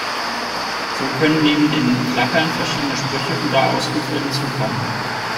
So können neben den Klappern verschiedene Sprüche oder Ausrufe hinzukommen.